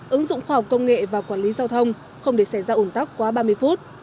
ứng dụng khoa học công nghệ và quản lý giao thông không để xảy ra ủn tắc quá ba mươi phút